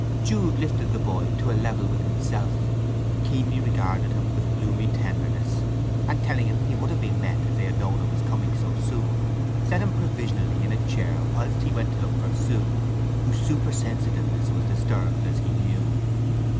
Jude lifted the boy to a level with himself, keenly regarded him with gloomy tenderness, and telling him he would have been met if they had known of his coming so soon, set him provisionally in a chair whilst he went to look for Sue, whose supersensitiveness was disturbed, as he knew.